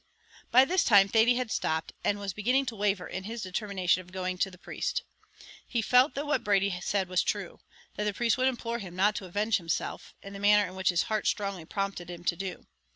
By this time Thady had stopped, and was beginning to waver in his determination of going to the priest. He felt that what Brady said was true that the priest would implore him not to avenge himself, in the manner in which his heart strongly prompted him to do.